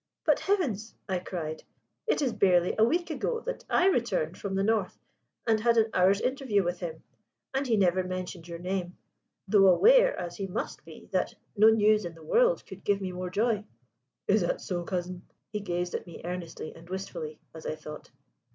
"But, Heavens!" I cried, "it is barely a week ago that I returned from the north and had an hour's interview with him; and he never mentioned your name, though aware (as he must be) that no news in the world could give me more joy." "Is that so, cousin?" He gazed at me earnestly and wistfully, as I thought.